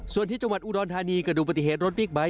ส่วนที่จังหวัดอุดรธานีเกิดดูปฏิเหตุรถบิ๊กไบท